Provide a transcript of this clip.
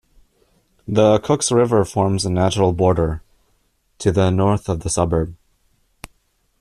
The Cooks River forms a natural border, to the north of the suburb.